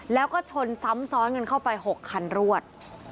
แล้วก็ชนซ้ำซ้อนกันเข้าไป๖คันรวด